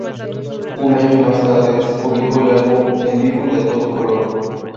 Un año más tarde, se publicó el álbum "En Vivo Y... A Todo Color..!